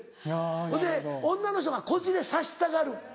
ほんで女の人がこじれさせたがる。